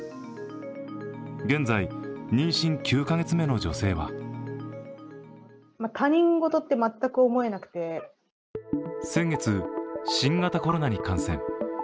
現在、妊娠９カ月目の女性は先月、新型コロナに感染。